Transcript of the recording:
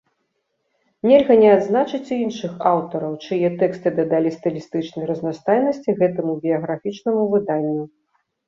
Нельга не адзначыць і іншых аўтараў, чые тэксты дадалі стылістычнай разнастайнасці гэтаму біяграфічнаму выданню.